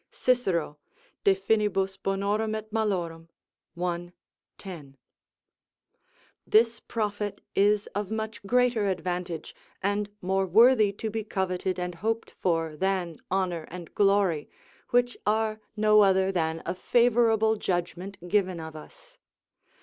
Cicero, De Finib., i. 10.] This profit is of much greater advantage, and more worthy to be coveted and hoped for, than, honour and glory, which are no other than a favourable judgment given of us.